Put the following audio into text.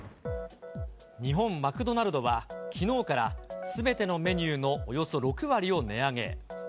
日本マクドナルドは、きのうからすべてのメニューのおよそ６割を値上げ。